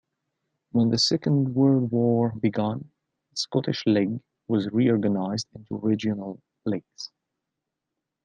When the Second World War began, the Scottish League was reorganised into regional leagues.